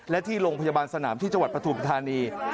และที่โรงพยาบาลสนามที่จังหวัดปฐุมธานี